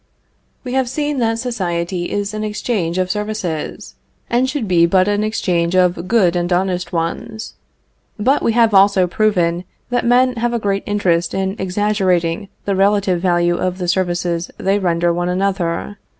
We have seen that society is an exchange of services, and should be but an exchange of good and honest ones. But we have also proven that men have a great interest in exaggerating the relative value of the services they render one another.